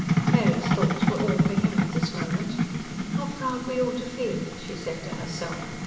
Mary's thoughts were all for him in this moment. "How proud we ought to feel!" she said to herself.